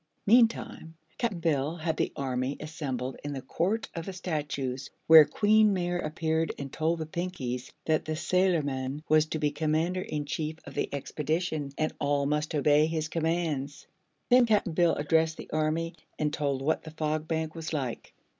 Meantime Cap'n Bill had the army assembled in the Court of the Statues, where Queen Mayre appeared and told the Pinkies that the sailorman was to be Commander in Chief of the Expedition and all must obey his commands. Then Cap'n Bill addressed the army and told what the Fog Bank was like.